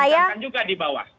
ini diperintahkan juga di bawah